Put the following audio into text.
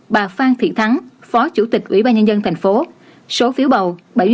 sáu bà phan thị thắng phó chủ tịch ủy ban nhân dân tp số phiếu bầu